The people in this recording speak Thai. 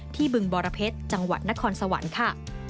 บึงบรเพชรจังหวัดนครสวรรค์ค่ะ